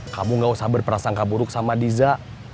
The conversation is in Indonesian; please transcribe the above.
kamu gak usah berperasangka buruk sama diza